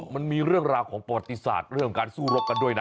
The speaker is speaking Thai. มันมีเรื่องราวของประวัติศาสตร์เรื่องการสู้รบกันด้วยนะ